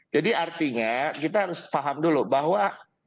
jadi artinya kita harus paham dulu bahwa